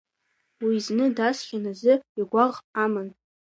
Уи зны дасхьан азы игәаӷ аман.